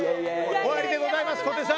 終わりでございます小手さん。